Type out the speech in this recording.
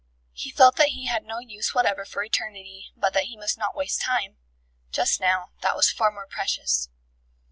He felt that he had no use whatever for Eternity but that he must not waste Time. Just now, that was far more precious.